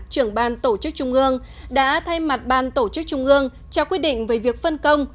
trưởng ban tổ chức trung ương đã thay mặt ban tổ chức trung ương trao quyết định về việc phân công